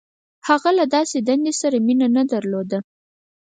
• هغه له داسې دندې سره مینه نهدرلوده.